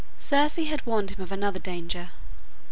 Circe had warned him of another danger.